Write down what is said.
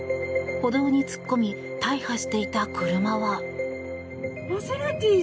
歩道に突っ込み大破していた車は。